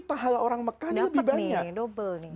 pahala orang mekah lebih banyak dapet nih double nih